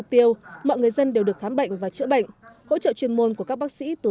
cũng như là